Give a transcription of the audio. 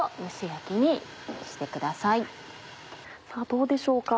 さぁどうでしょうか？